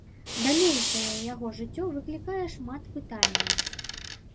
Далейшае яго жыццё выклікае шмат пытанняў.